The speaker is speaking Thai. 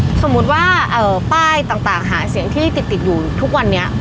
สมมุติว่าป้ายต่างหาเสียงที่ติดอยู่ทุกวันนี้